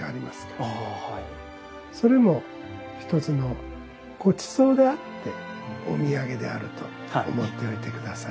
それも一つのごちそうであってお土産であると思っておいて下さい。